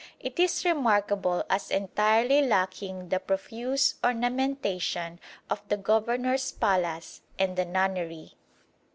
It is remarkable as entirely lacking the profuse ornamentation of the Governor's Palace and the Nunnery.